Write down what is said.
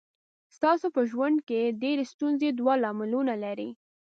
ستاسو په ژوند کې ډېرې ستونزې دوه لاملونه لري.